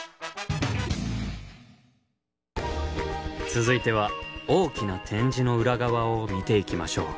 続いては大きな展示の裏側を見ていきましょう。